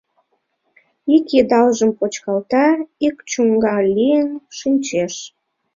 Ик йыдалжым почкалта Ик чоҥга лийын шинчеш;